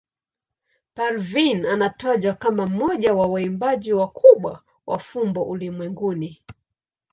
Parveen anatajwa kama mmoja wa waimbaji wakubwa wa fumbo ulimwenguni.